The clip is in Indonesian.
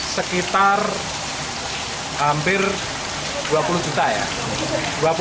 sekitar hampir dua puluh juta ya